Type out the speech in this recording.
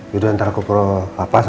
yaudah ntar aku ke lapas